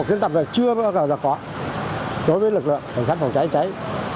công trình tập này chưa bao giờ có đối với lực lượng cảnh sát phòng cháy cháy